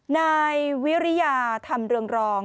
นายวิริยาธรรมเรืองรอง